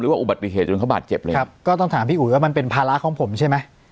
อุบัติเหตุจนเขาบาดเจ็บเลยครับก็ต้องถามพี่อุ๋ยว่ามันเป็นภาระของผมใช่ไหม